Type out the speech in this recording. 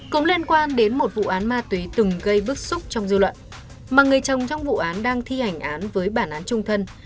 cũng liên quan đến một vụ án ma túy từng gây bức xúc trong dư luận mà người chồng trong vụ án đang thi hành án với bản án trung thân